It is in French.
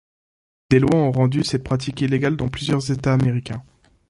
Des lois ont rendu cette pratique illégale dans plusieurs États américains.